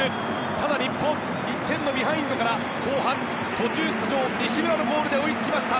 ただ日本、１点ビハインドから後半途中出場の西村のゴールで追いつきました。